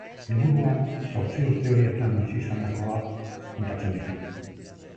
Liburuan zortzi urte horietan bizi izandakoak kontatzen ditu.